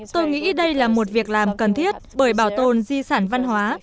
tôi nghĩ đây là một việc làm cần thiết bởi bảo tồn di sản văn hóa